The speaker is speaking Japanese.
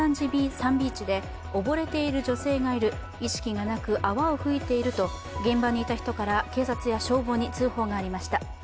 サンビーチで溺れている女性がいる、意識がなく泡を吹いていると現場にいた人から警察や消防に通報がありました。